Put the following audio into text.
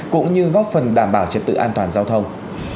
cũng như góp phần đảm bảo trật tự an toàn giao thông